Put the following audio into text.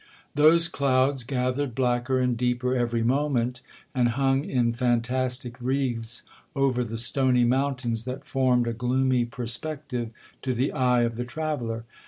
Those clouds gathered blacker and deeper every moment, and hung in fantastic wreaths over the stony mountains that formed a gloomy perspective to the eye of the traveller.